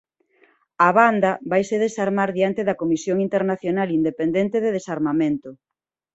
A banda vaise desarmar diante da Comisión Internacional Independente de Desarmamento.